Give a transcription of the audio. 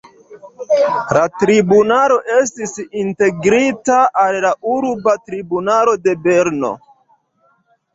La tribunalo estis integrita al la urba tribunalo de Berno.